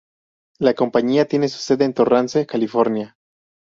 La compañía tiene su sede en Torrance, California.